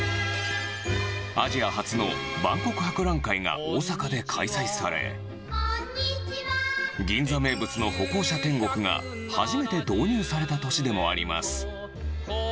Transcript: アジア初の万国博覧会が大阪で開催され、銀座名物の歩行者天国が初めて導入された年でもあります。